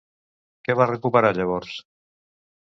Què va recuperar llavors?